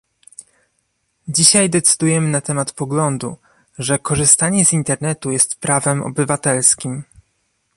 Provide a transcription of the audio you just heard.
Dzisiaj decydujemy na temat poglądu, że korzystanie z Internetu jest prawem obywatelskim